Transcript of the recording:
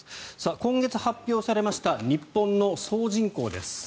今月発表されました日本の総人口です。